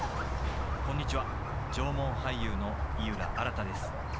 こんにちは縄文俳優の井浦新です